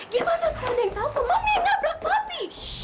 gimana kalian yang tahu kemami nabrak papi